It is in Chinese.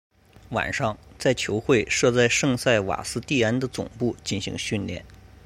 晚上在球会设在圣塞瓦斯蒂安的总部进行训练。